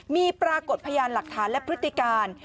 มีปรากฏพยานหลักฐานและพฤติการ